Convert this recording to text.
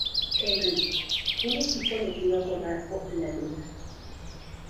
El Risco, un equipo de Tiro con Arco "La Luna".